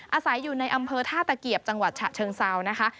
อาศัยอยู่ในอำเภอท่าตะเกียบจังหวัดฉะเชิงเซานะคะ